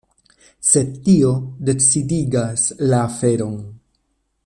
Sed tio decidigas la aferon.